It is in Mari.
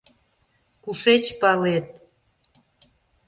— Кушеч палет?